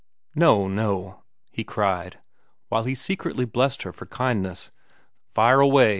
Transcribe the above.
"No, no," he cried, while he secretly blessed her for her kindness. "Fire away.